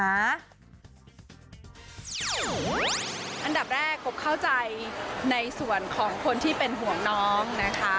อันดับแรกพบเข้าใจในส่วนของคนที่เป็นห่วงน้องนะคะ